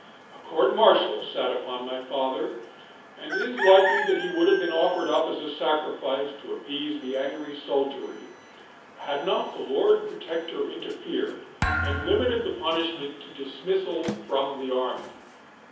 A court martial sat upon my father, and it is likely that he would have been offered up as a sacrifice to appease the angry soldiery, had not the Lord Protector interfered, and limited the punishment to dismissal from the army.